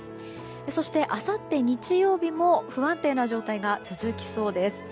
そして、あさって日曜日も不安定な状態が続きそうです。